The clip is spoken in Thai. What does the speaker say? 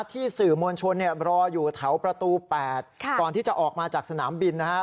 ที่สื่อมวลชนเนี่ยรออยู่แถวประตู๘ก่อนที่จะออกมาจากสนามบินนะฮะ